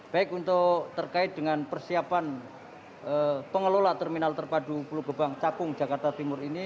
baik untuk terkait dengan persiapan pengelola terminal terpadu pulau gebang cakung jakarta timur ini